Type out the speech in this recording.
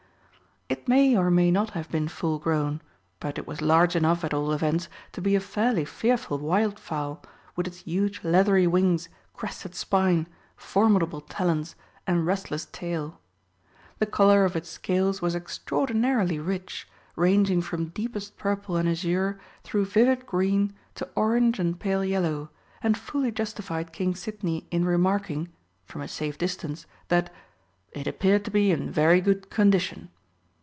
It may or may not have been full grown, but it was large enough at all events to be a fairly fearful wildfowl, with its huge leathery wings, crested spine, formidable talons, and restless tail. The colour of its scales was extraordinarily rich, ranging from deepest purple and azure through vivid green to orange and pale yellow, and fully justified King Sidney in remarking from a safe distance that "it appeared to be in very good condition."